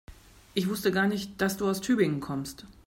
Ich wusste gar nicht, dass du aus Tübingen kommst